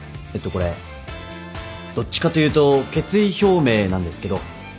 これどっちかというと決意表明なんですけど。